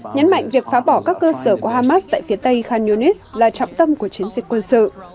nhấn mạnh việc phá bỏ các cơ sở của hamas tại phía tây khan yunis là trọng tâm của chiến dịch quân sự